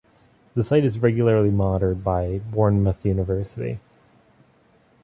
The site is regularly monitored by Bournemouth University.